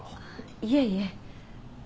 いえいえ。